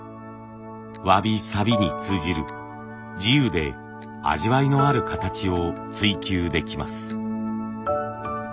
わびさびに通じる自由で味わいのある形を追求できます。